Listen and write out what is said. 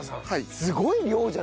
すごい量じゃないですか？